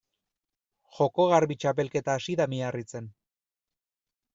Joko Garbi txapelketa hasi da Miarritzen.